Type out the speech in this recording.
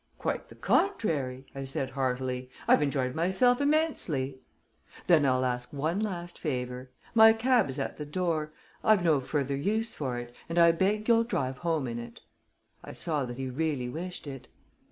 "Quite the contrary," I said heartily. "I've enjoyed myself immensely." "Then I'll ask one last favor. My cab is at the door. I've no further use for it, and I beg you'll drive home in it." I saw that he really wished it.